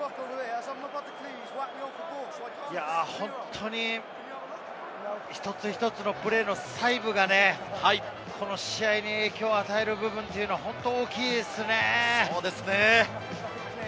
本当に一つ一つのプレーの細部がね、試合に影響を与える部分が大きいですね。